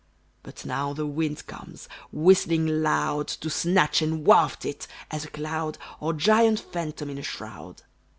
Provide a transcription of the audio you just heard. But now the wind comes, whistling loud, To snatch and waft it, as a cloud, Or giant phantom in a shroud.